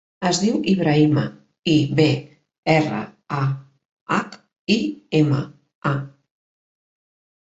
Es diu Ibrahima: i, be, erra, a, hac, i, ema, a.